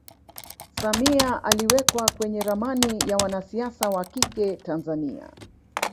samia aliwekwa kwenye ramani ya wanasiasa wakike tanzania